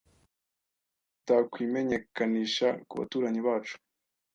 Kuki tutakwimenyekanisha kubaturanyi bacu?